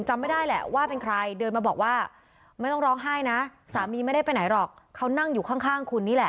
จากการร้องไห้อย่างหนัก